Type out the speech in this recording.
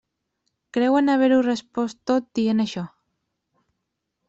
Creuen haver-ho respost tot dient això.